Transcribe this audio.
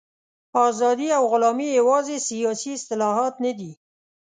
ازادي او غلامي یوازې سیاسي اصطلاحات نه دي.